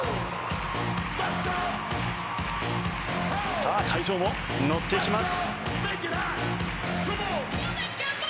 さあ、会場も乗ってきます。